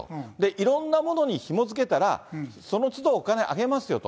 いろんなものにひも付けたら、そのつどお金あげますよと。